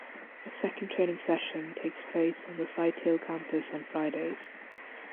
A second training session takes place on the Sighthill Campus on Fridays.